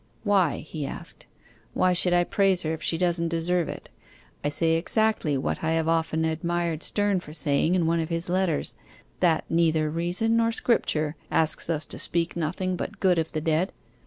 'Why?' he asked. 'Why should I praise her if she doesn't deserve it? I say exactly what I have often admired Sterne for saying in one of his letters that neither reason nor Scripture asks us to speak nothing but good of the dead.